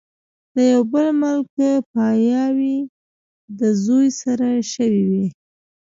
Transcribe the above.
د يو بل ملک پاياوي د زوي سره شوې وه